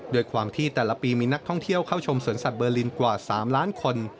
ด้วยความที่แต่ละปีมีนักท่องเที่ยวเข้าชมสวนสัตวลินกว่า๓ล้านคน